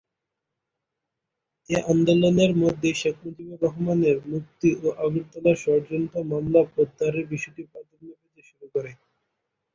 এ আন্দোলনের মধ্যেই শেখ মুজিবুর রহমানের মুক্তি ও আগরতলা ষড়যন্ত্র মামলা প্রত্যাহারের বিষয়টি প্রাধান্য পেতে শুরু করে।